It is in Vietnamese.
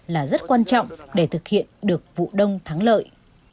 là rất quan trọng để thực hiện được vụ đông thắng lợi